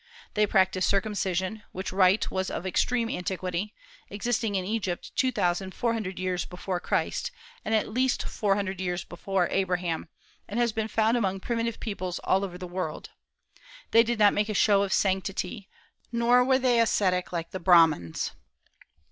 They practised circumcision, which rite was of extreme antiquity, existing in Egypt two thousand four hundred years before Christ, and at least four hundred years before Abraham, and has been found among primitive peoples all over the world. They did not make a show of sanctity, nor were they ascetic like the Brahmans.